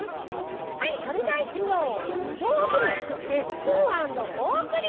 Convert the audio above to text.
はいそれじゃあいってみよう！